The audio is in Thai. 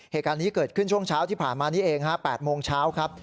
เหตุการณ์นี้เกิดขึ้นช่วงเช้าที่ผ่านมานี้เองฮะ๘โมงเช้าครับ